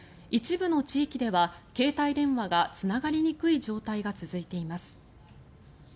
一部の地域では携帯電話がつながりにくい状態が続いています。